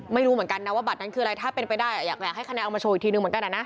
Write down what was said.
ไม่รู้เหมือนกันนะว่าบัตรนั้นคืออะไรถ้าเป็นไปได้อยากให้คะแนนเอามาโชว์อีกทีนึงเหมือนกันนะ